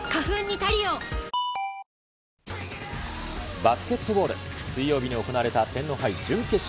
バスケットボール、水曜日に行われた天皇杯準決勝。